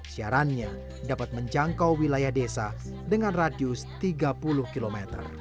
siarannya dapat menjangkau wilayah desa dengan radius tiga puluh km